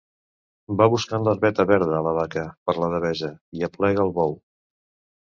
Va buscant l'herbeta verda, la vaca per la devesa, i aplega el bou.